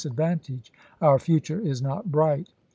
advantage." "Our future is not bright."